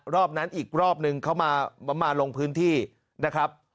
รอบนั้นอีกรอบนึงเขามาลงพื้นที่นะครับ